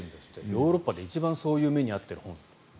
ヨーロッパで一番そういう目に遭っている本。